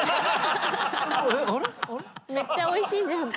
めっちゃおいしいじゃんって。